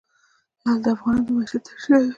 لعل د افغانانو د معیشت سرچینه ده.